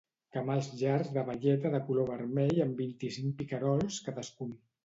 Camals llargs de baieta de color vermell amb vint-i-cinc picarols cadascun.